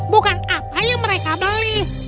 bukan apa yang mereka beli